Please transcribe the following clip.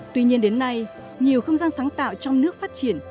tuy nhiên đến nay nhiều không gian sáng tạo trong nước phát triển